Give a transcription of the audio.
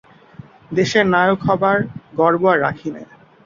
দেশের নায়ক হবার গর্ব আর রাখি নে।